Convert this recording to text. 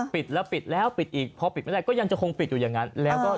ปิดแล้วปิดแล้วปิดอีกพอปิดไม่ได้ก็ยังจะคงปิดอยู่อย่างนั้นแล้วก็